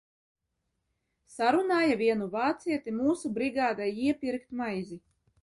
Sarunāja vienu vācieti iepirkt mūsu brigādē maizi.